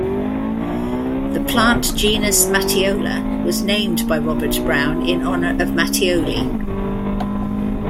The plant genus "Matthiola" was named by Robert Brown in honor of Mattioli.